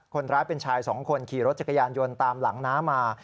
คนร้ายเป็นชายสองคนขี่รถจักรยานยนต์ตามหลังน้ามา